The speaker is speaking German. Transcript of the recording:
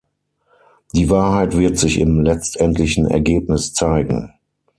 Die Wahrheit wird sich im letztendlichen Ergebnis zeigen.